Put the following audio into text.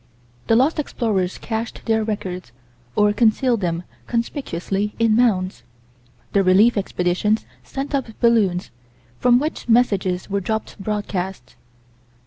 The lost explorers cached their records or concealed them conspicuously in mounds. The relief expeditions sent up balloons, from which messages were dropped broadcast.